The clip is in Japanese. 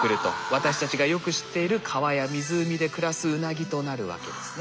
私たちがよく知っている川や湖で暮らすウナギとなるわけですね。